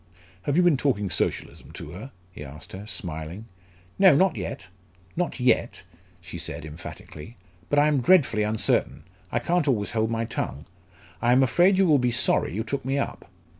"Have you been talking Socialism to her?" he asked her, smiling. "No, not yet not yet," she said emphatically. "But I am dreadfully uncertain I can't always hold my tongue I am afraid you will be sorry you took me up."